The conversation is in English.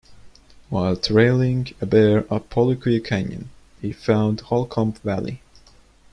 While trailing a bear up Polique Canyon he found Holcomb Valley.